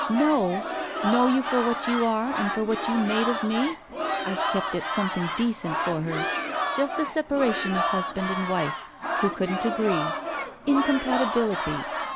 "Know! Know you for what you are and for what you made of me? I've kept it something decent for her. Just the separation of husband and wife — ^who couldn't agree. Incompatibility.